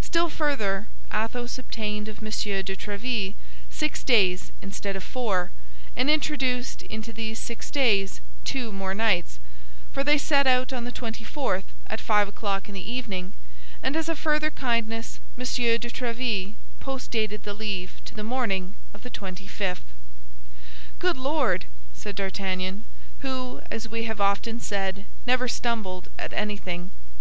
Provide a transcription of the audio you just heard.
Still further, Athos obtained of M. de Tréville six days instead of four, and introduced into these six days two more nights—for they set out on the twenty fourth at five o'clock in the evening, and as a further kindness M. de Tréville post dated the leave to the morning of the twenty fifth. "Good Lord!" said D'Artagnan, who, as we have often said, never stumbled at anything.